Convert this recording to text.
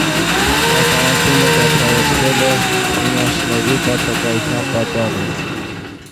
Հրատարակումը դադարեցվել է ֆինանսների բացակայության պատճառով։